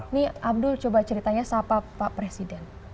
ini adult coba ceritanya siapa pak presiden